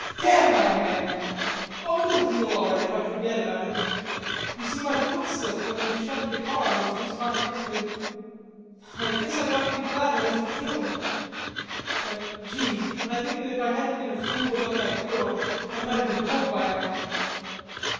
"Damn my hand. Oh, it'll heal all right if I forget about it. You see, my foot slipped when they shunted a car I was just climbing into, an'...I guess I ought to be glad I wasn't killed. But, gee, when I think that if I hadn't been a fool about that girl I might have been home by now...."